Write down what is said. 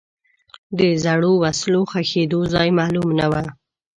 د زړو وسلو ښخېدو ځای معلوم نه و.